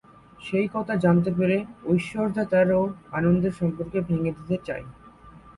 সেই কথা জানতে পেরে ঐশ্বর্যা তার ও আনন্দের সম্পর্ক ভেঙে দিতে চায়।